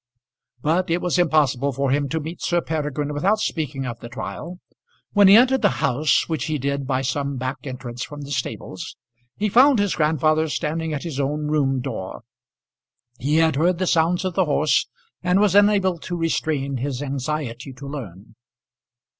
But it was impossible for him to meet Sir Peregrine without speaking of the trial. When he entered the house, which he did by some back entrance from the stables, he found his grandfather standing at his own room door. He had heard the sounds of the horse, and was unable to restrain his anxiety to learn.